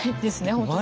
本当に。